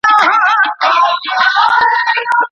ولي زیارکښ کس د مستحق سړي په پرتله ښه ځلېږي؟